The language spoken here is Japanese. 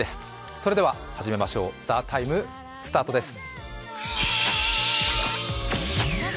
それでは始めましょう「ＴＨＥＴＩＭＥ，」スタートです。